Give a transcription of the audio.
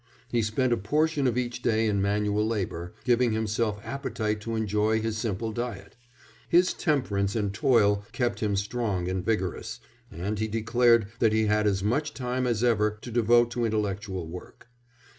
He spent a portion of each day in manual labour, giving himself appetite to enjoy his simple diet; his temperance and toil kept him strong and vigorous, and he declared that he had as much time as ever to devote to intellectual work.